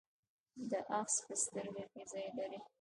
دا آخذه په سترګه کې ځای لري.